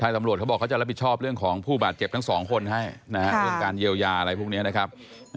ที่ไม่เป็นไรบ้างครับเจ็บเขาหมดกี่คนนะครับ๒คนครับ